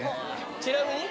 ちなみに？